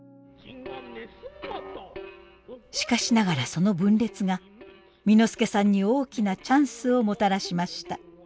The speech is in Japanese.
しかしながらその分裂が簑助さんに大きなチャンスをもたらしました。